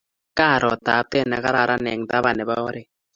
Karo taptet ne kararan eng' tapan nebo oret